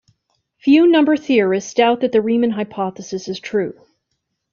Few number theorists doubt that the Riemann hypothesis is true.